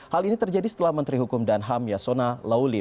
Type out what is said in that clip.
hal ini terjadi setelah menteri hukum dan ham yasona lauli